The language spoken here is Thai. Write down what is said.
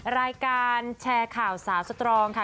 รายการแชร์ข่าวสาวสตรองค่ะ